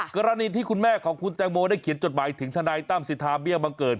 กรณีที่คุณแม่ของคุณแตงโมได้เขียนจดหมายถึงทนายตั้มสิทธาเบี้ยบังเกิด